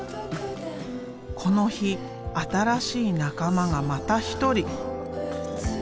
この日新しい仲間がまた一人。